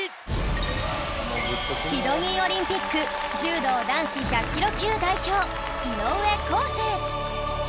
シドニーオリンピック柔道男子１００キロ級代表井上康生